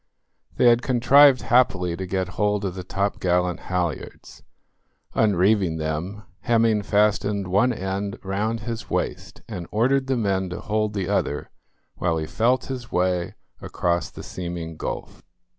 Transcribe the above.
They had contrived happily to get hold of the topgallant halyards. Unreeving them, Hemming fastened one end round his waist, and ordered the men to hold the other while he felt his way across the seeming gulf.